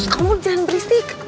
kamu jangan berisik